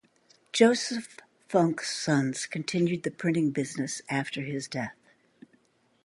Joseph Funk's sons continued the printing business after his death.